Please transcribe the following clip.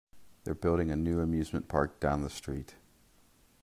They're building a new amusement park down the street.